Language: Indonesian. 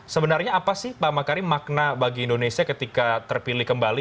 sebenarnya apa sih pak makarim makna bagi indonesia ketika terpilih kembali